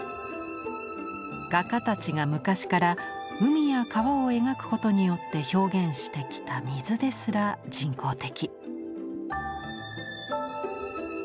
画家たちが昔から海や川を描くことによって表現してきた水ですら人工的。